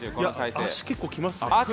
足、結構きますね。